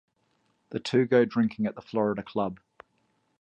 The two go drinking at the Florida Club.